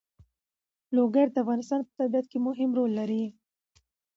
لوگر د افغانستان په طبیعت کې مهم رول لري.